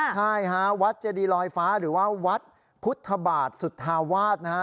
ใช่ฮะวัดเจดีลอยฟ้าหรือว่าวัดพุทธบาทสุธาวาสนะฮะ